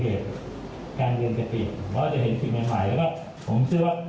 เพราะจะเห็นผิดใหม่แล้วก็ผมเชื่อว่า